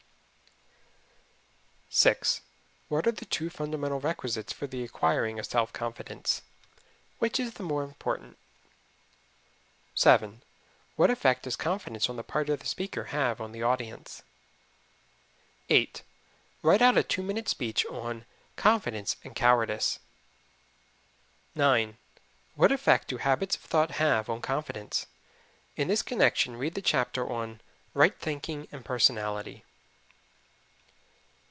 6. What are the two fundamental requisites for the acquiring of self confidence? Which is the more important? 7. What effect does confidence on the part of the speaker have on the audience? 8. Write out a two minute speech on "Confidence and Cowardice." 9. What effect do habits of thought have on confidence? In this connection read the chapter on "Right Thinking and Personality."